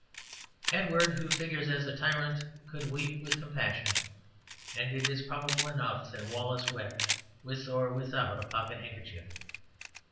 Edward, who figures as a tyrant, could weep with compassion; and it is probable enough that Wallace wept, with or without a pocket handkerchief.